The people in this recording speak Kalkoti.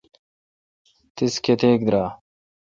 تیس کتیک درائ،؟